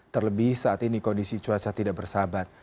terlebih saat ini kondisi cuaca tidak bersahabat